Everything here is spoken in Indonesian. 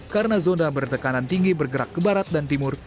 karena zona bertekanan tinggi bergerak ke barat dan timur